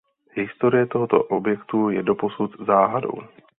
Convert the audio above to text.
Historie tohoto objektu je doposud záhadou.